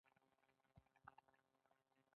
موږ په خپل باغچه کې سبزي کرو.